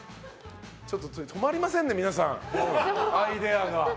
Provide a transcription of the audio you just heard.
ちょっと止まりませんね、皆さんアイデアが。